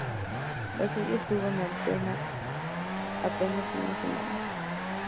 La serie estuvo en antena apenas unas semanas.